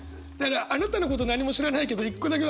あなたのこと何も知らないけど一個だけ分かる。